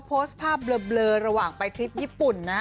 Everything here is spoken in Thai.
โพสต์ภาพเบลอระหว่างไปทริปญี่ปุ่นนะฮะ